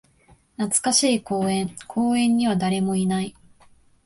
懐かしい公園。公園には誰もいない。